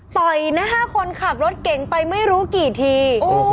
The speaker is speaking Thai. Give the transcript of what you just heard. หน้า๕คนขับรถเก่งไปไม่รู้กี่ที